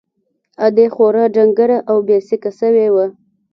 ادې خورا ډنگره او بې سېکه سوې وه.